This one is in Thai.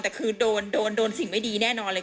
แต่คือโดนโดนสิ่งไม่ดีแน่นอนเลย